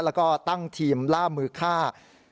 แล้วก็ตั้งทีมล่ามือฆ่า